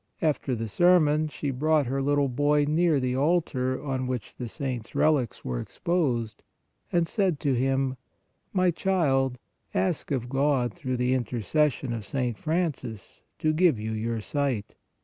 After the ser mon she brought her little boy near the altar on which the saint s relics were exposed, and said to him :" My child, ask of God through the interces sion of St. Francis to give you your sight."